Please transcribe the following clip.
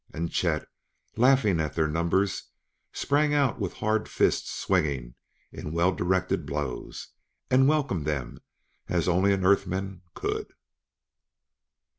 And Chet, laughing at their numbers, sprang out with hard fists swinging in well directed blows, and welcomed them as only an Earth man could.